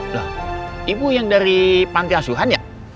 loh ibu yang dari panti asuhan ya